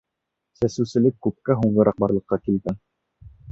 Сәсеүселек күпкә һуңғараҡ барлыҡҡа килгән.